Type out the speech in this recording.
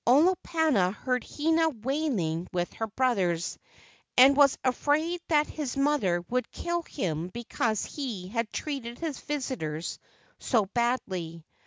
Olopana heard Hina wailing with her brothers, and was afraid that his mother would kill him because he had treated his visitors so badly.